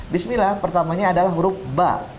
bismillah pertamanya adalah huruf ba